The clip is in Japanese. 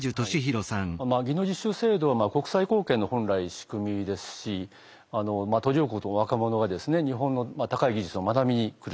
技能実習制度は国際貢献の本来仕組みですし途上国の若者が日本の高い技術を学びに来ると。